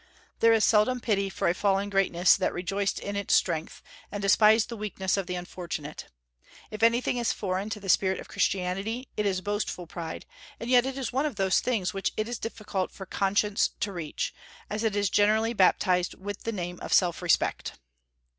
There is seldom pity for a fallen greatness that rejoiced in its strength, and despised the weakness of the unfortunate. If anything is foreign to the spirit of Christianity it is boastful pride, and yet it is one of those things which it is difficult for conscience to reach, as it is generally baptized with the name of self respect.